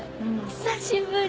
久しぶり！